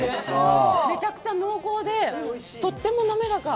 めちゃくちゃ濃厚で、とってもなめらか。